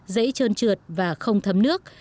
dễ trơn trượt và không thấm nước